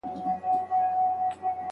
د سي قدر يوازې پوه خلګ کوي.